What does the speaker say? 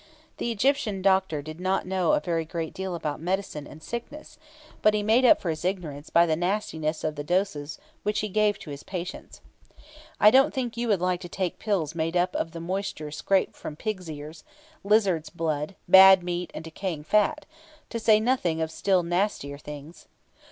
The Egyptian doctor did not know a very great deal about medicine and sickness, but he made up for his ignorance by the nastiness of the doses which he gave to his patients. I don't think you would like to take pills made up of the moisture scraped from pig's ears, lizard's blood, bad meat, and decaying fat, to say nothing of still nastier things.